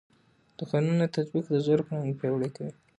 د قانون نه تطبیق د زور فرهنګ پیاوړی کوي